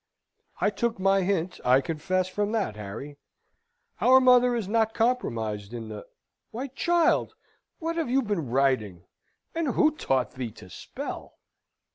I took my hint, I confess, from that, Harry. Our mother is not compromised in the Why, child, what have you been writing, and who taught thee to spell?"